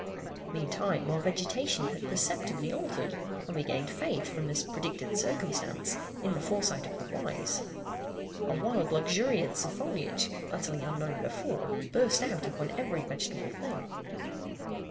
Meantime, our vegetation had perceptibly altered; and we gained faith, from this predicted circumstance, in the foresight of the wise. A wild luxuriance of foliage, utterly unknown before, burst out upon every vegetable thing.